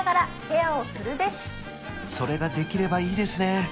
それができればいいですね